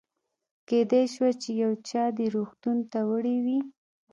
کېدای شوه چې یو چا دې روغتون ته وړی وي.